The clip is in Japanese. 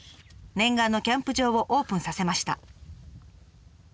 念願のキャンプ場をオープンさせました。